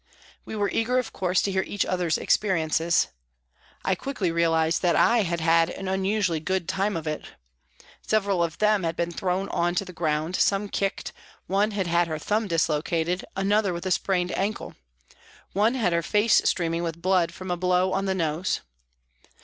We were eager, of course, to hear each other's experiences. I quickly realised that I had had an unusually good time of it. Several of them had been thrown on to the ground, some kicked, one had had her thumb dislocated, another had a sprained ankle. One had her face streaming with blood from a blow on the nose.